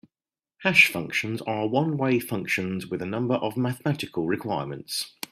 Hash functions are one-way functions with a number of mathematical requirements.